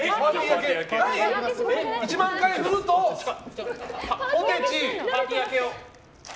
１万回振ると、ポテチ。